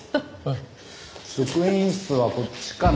職員室はこっちかな？